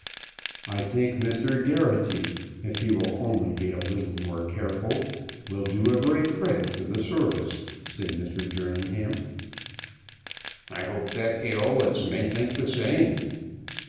"I think Mr. Geraghty, if he will only be a little more careful, will do great credit to the service," said Mr. Jerningham. "I hope that Æolus may think the same."